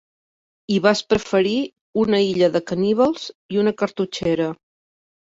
I vas preferir una illa de caníbals i una cartutxera.